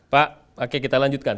pak oke kita lanjutkan